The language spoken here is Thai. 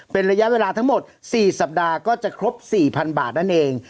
เป็นระยะเวลาทั้งหมด๔สัปดาห์ก็จะครบ๔๐๐๐บาทนั่นเอง